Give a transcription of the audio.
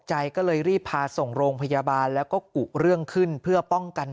ใจก็เลยรีบพาส่งโรงพยาบาลแล้วก็กุเรื่องขึ้นเพื่อป้องกัน